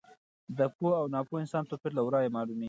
د پوه او ناپوه انسان توپیر له ورایه معلوم وي.